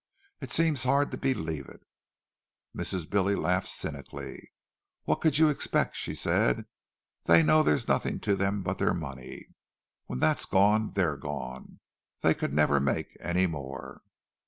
It seems hard to believe it." Mrs. Billy laughed cynically. "What could you expect?" she said. "They know there's nothing to them but their money. When that's gone, they're gone—they could never make any more."